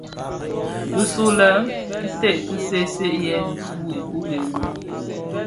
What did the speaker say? Bisulè kitsen ki seeseeyèn dhifuu ikure wu.